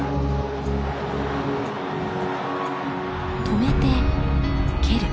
「止めて蹴る」。